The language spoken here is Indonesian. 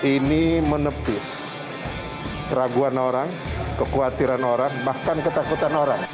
ini menepis keraguan orang kekhawatiran orang bahkan ketakutan orang